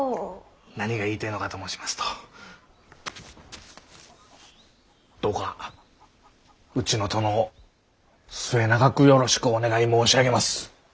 何が言いてえのかと申しますとどうかうちの殿を末永くよろしくお願い申し上げます。